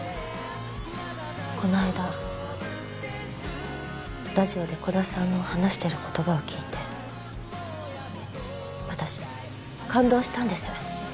この間ラジオで鼓田さんの話してる言葉を聞いて私感動したんです。